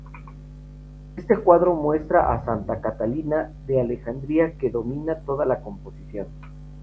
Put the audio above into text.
Este cuadro muestra a Santa Catalina de Alejandría, que domina toda la composición.